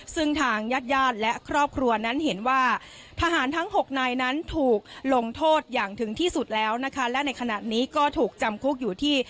ซึ่งทางญาติญาติและครอบครัวนั้นเห็นว่าทหารทั้ง๖นายนั้นถูกลงโทษอย่างถึงที่สุดแล้วนะคะและในขณะนี้ก็ถูกจำคุกอยู่ที่